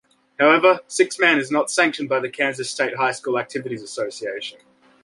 However, six-man is not sanctioned by the Kansas State High School Activities Association.